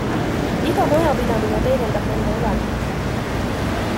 Iga majapidamine peegeldab nende elanikke.